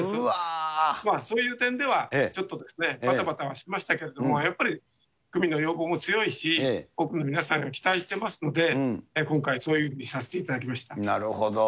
そういう点では、ちょっとばたばたはしましたけれども、やっぱり、区民の要望も強いし、区民の皆さんが期待してますので、今回そういうふうにさせていただなるほど。